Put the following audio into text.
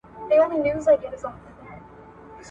خوار پر لاهور هم خوار وي ..